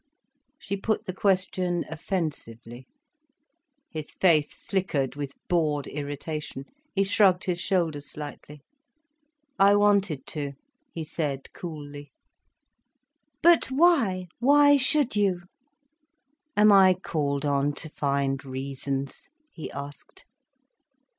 She put the question offensively. His face flickered with bored irritation. He shrugged his shoulders slightly. "I wanted to," he said, coolly. "But why? Why should you?" "Am I called on to find reasons?" he asked.